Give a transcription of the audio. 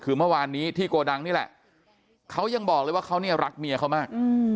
คือเมื่อวานนี้ที่โกดังนี่แหละเขายังบอกเลยว่าเขาเนี่ยรักเมียเขามาก